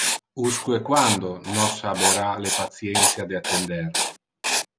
Usque quando nos habera le patientia de attender.